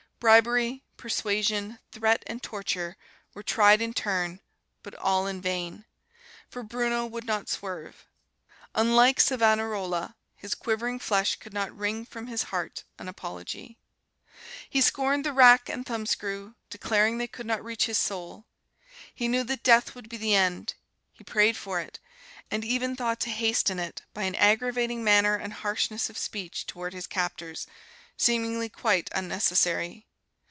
Bribery, persuasion, threat and torture were tried in turn, but all in vain, for Bruno would not swerve. Unlike Savonarola his quivering flesh could not wring from his heart an apology. He scorned the rack and thumbscrew, declaring they could not reach his soul. He knew that death would be the end; he prayed for it, and even thought to hasten it by an aggravating manner and harshness of speech toward his captors, seemingly quite unnecessary.